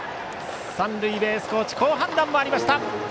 三塁ベースコーチの好判断もありました。